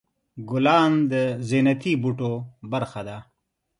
ګلان د زینتي بوټو برخه ده.